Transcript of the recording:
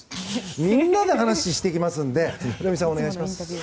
みんなで話をしていきますのでお願いします。